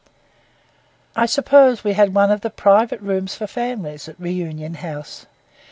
I suppose we had one of the 'private rooms for families' at Reunion House.